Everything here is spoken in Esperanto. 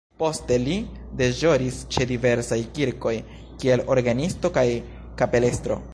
Poste li deĵoris ĉe diversaj kirkoj kiel orgenisto kaj kapelestro.